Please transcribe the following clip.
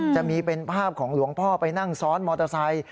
จะมีเป็นภาพของหลวงพ่อไปนั่งซ้อนมอเตอร์ไซค์